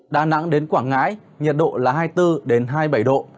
đà nẵng đến quảng ngãi nhật độ là hai mươi bốn đến hai mươi bảy độ